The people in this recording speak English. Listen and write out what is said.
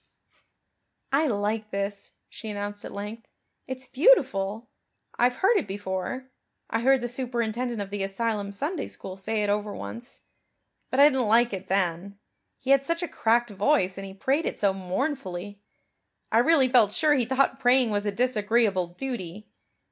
"I like this," she announced at length. "It's beautiful. I've heard it before I heard the superintendent of the asylum Sunday school say it over once. But I didn't like it then. He had such a cracked voice and he prayed it so mournfully. I really felt sure he thought praying was a disagreeable duty.